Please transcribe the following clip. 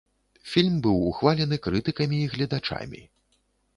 Фільм быў ухвалены крытыкамі і гледачамі.